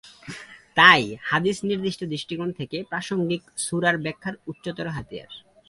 তাই, হাদিস নির্দিষ্ট দৃষ্টিকোণ থেকে প্রাসঙ্গিক সূরার ব্যাখ্যার উচ্চতর হাতিয়ার।